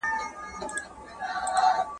ویټامین بی کمپلیکس د وریښتانو ودې ساتي.